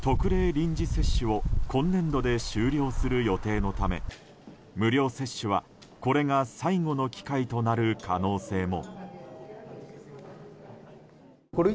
臨時接種を今年度で終了する予定のため無料接種は、これが最後の機会となる可能性も。